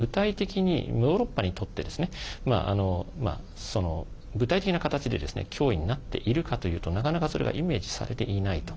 ヨーロッパの場合中国の軍事的な脅威というのをヨーロッパにとって具体的な形で脅威になっているかというとなかなか、それがイメージされていないと。